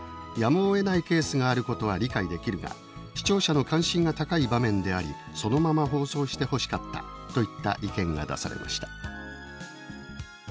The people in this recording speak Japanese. やむをえないケースがあることは理解できるが視聴者の関心が高い場面でありそのまま放送してほしかった」といった意見が出されました。